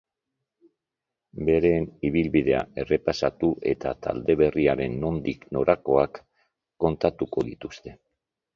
Beren ibilbidea errepasatu eta talde berriaren nondik norakoak kontatuko dituzte.